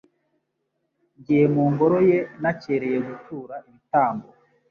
Ngiye mu Ngoro ye nakereye gutura ibitambo